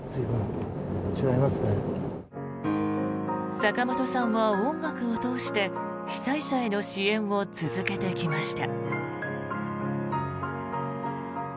坂本さんは音楽を通して被災者への支援を続けてきました。